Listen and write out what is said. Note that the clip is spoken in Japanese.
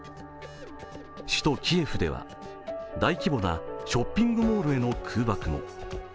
首都キエフでは大規模なショッピングモールへの空爆も。